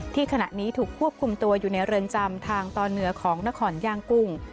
ขณะนี้ถูกควบคุมตัวอยู่ในเรือนจำทางตอนเหนือของนครย่างกุ้ง